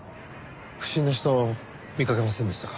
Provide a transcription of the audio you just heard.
不審な人見かけませんでしたか？